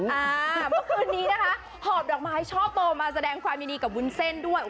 เมื่อคืนนี้นะคะหอบดอกไม้ช่อโตมาแสดงความยินดีกับวุ้นเส้นด้วย